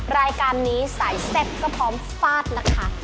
รายการนี้สายเส้นก็พร้อมฟาดละครับ